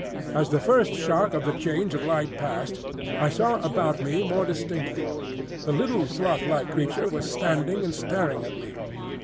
As the first shock of the change of light passed, I saw about me more distinctly. The little sloth like creature was standing and staring at me.